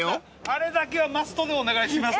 「あれだけはマストでお願いします」と。